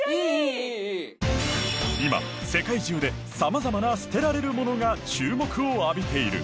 今世界中でさまざまな捨てられるものが注目を浴びている。